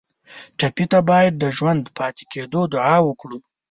ټپي ته باید د ژوندي پاتې کېدو دعا وکړو.